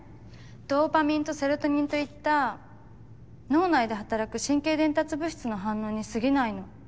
ドーパミンとセロトニンといった脳内で働く神経伝達物質の反応に過ぎないの。